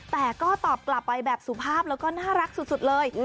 พี่ยุ้ยก็ตอบกลับไปสุภาพหน้ารักสุดเลย